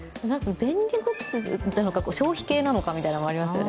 便利グッズなのか消費系なのかというのもありますよね。